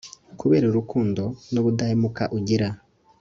kubera urukundo n'ubudahemuka ugira